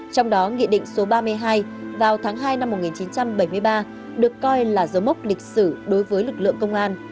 trong đó nghị định số ba mươi hai vào tháng hai năm một nghìn chín trăm bảy mươi ba được coi là dấu mốc lịch sử đối với lực lượng công an